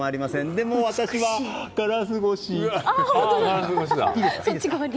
でも、私はガラス越し。